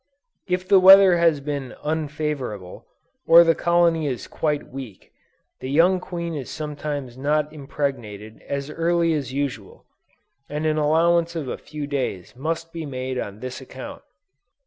If the weather has been unfavorable, or the colony is quite weak, the young queen is sometimes not impregnated as early as usual, and an allowance of a few days must be made on this account.